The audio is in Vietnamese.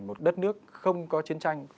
một đất nước không có chiến tranh